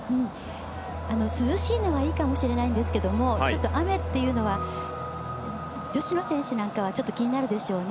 涼しいのはいいかもしれないんですけども雨っていうのは女子の選手なんかはちょっと気になるでしょうね。